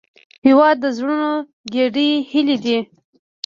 هېواد د زړونو ګډې هیلې دي.